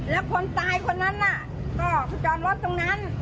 แล้วคนตายคนนั้นล่ะก็จอดรถตรงนั้น